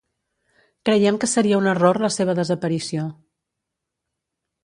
Creiem que seria un error la seva desaparició.